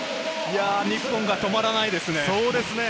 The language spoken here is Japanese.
日本が止まらないですね。